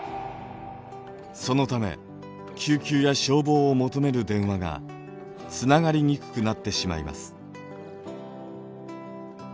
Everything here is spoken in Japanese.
そのため救急や消防を求める電話がつながりにくくなってしまいます。